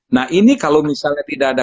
nah ini kalau misalnya tidak ada